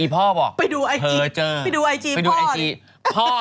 ไปดูไอจีพ่อ